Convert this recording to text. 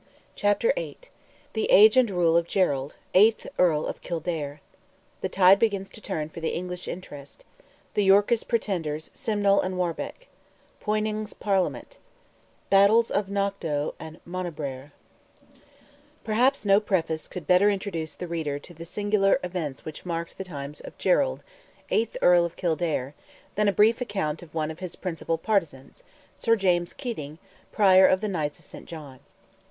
CHAPTER VIII. THE AGE AND RULE OF GERALD, EIGHTH EARL OF KILDARE—THE TIDE BEGINS TO TURN FOR THE ENGLISH INTEREST—THE YORKIST PRETENDERS, SIMNEL AND WARBECK—POYNING'S PARLIAMENT—BATTLES OF KNOCKDOE AND MONABRAHER. Perhaps no preface could better introduce to the reader the singular events which marked the times of Gerald, eighth Earl of Kildare, than a brief account of one of his principal partizans—Sir James Keating, Prior of the Knights of St. John.